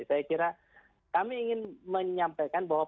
saya kira kami ingin menyampaikan bahwa